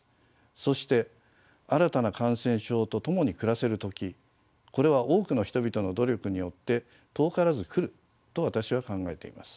そして新たな感染症と共に暮らせる時これは多くの人々の努力によって遠からずくると私は考えています。